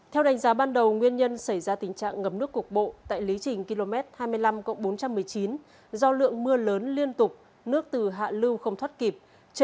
theo đánh giá ban đầu nguyên nhân xảy ra tình trạng ngập nước cục bộ tại lý trình km hai mươi năm bốn trăm một mươi chín do lượng mưa lớn liên tục nước từ hạ lưu không thoát kịp